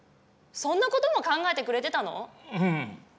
そんなことも考えてくれてたの？